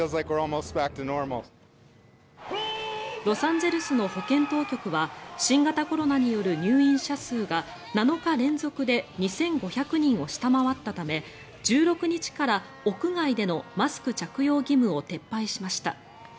ロサンゼルスの保健当局は新型コロナによる入院者数が７日連続で２５００人を下回ったため１６日から屋外でのマスク着用義務を撤廃しました。